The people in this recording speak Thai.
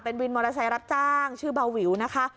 วินมอเตอร์ไซค์รับจ้างชื่อเบาวิวนะคะ